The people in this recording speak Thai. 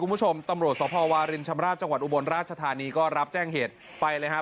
คุณผู้ชมตำรวจสภวารินชำราบจังหวัดอุบลราชธานีก็รับแจ้งเหตุไปเลยครับ